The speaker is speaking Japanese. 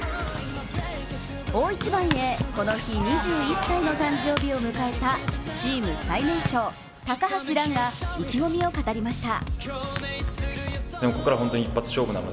大一番へ、この日２１歳の誕生日を迎えたチーム最年少・高橋藍が意気込みを語りました。